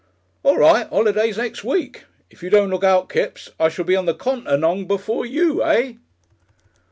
"All right. Holiday's next week. If you don't look out, Kipps, I shall be on the Continong before you. Eh?"